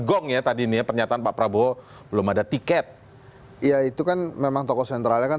gong ya tadi nih ya pernyataan pak prabowo belum ada tiket ya itu kan memang tokoh sentralnya kan